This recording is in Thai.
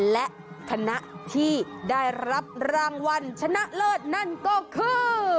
และคณะที่ได้รับรางวัลชนะเลิศนั่นก็คือ